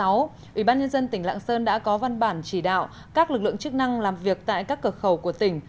ủy ban nhân dân tỉnh lạng sơn đã có văn bản chỉ đạo các lực lượng chức năng làm việc tại các cửa khẩu của tỉnh